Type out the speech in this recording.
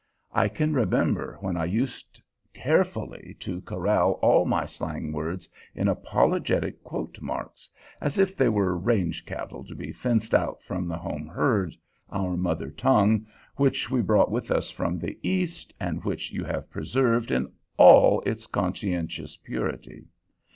I can remember when I used carefully to corral all my slang words in apologetic quote marks, as if they were range cattle to be fenced out from the home herd our mother tongue which we brought with us from the East, and which you have preserved in all its conscientious purity.